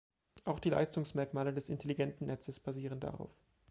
Auch die Leistungsmerkmale des Intelligenten Netzes basieren darauf.